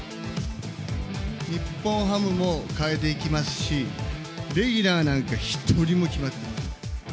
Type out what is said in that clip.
日本ハムを変えていきますし、レギュラーなんか１人も決まってません。